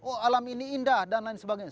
oh alam ini indah dan lain sebagainya